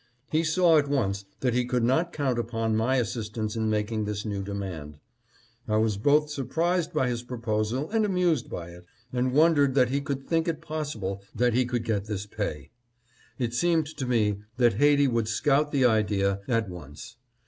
He saw at once that he could not count upon my assistance in making this new demand. I was both surprised by his proposal and amused by it, and wondered that he could think it pos sible that he could get this pay. It seemed to me that Haiti would scout the idea at once.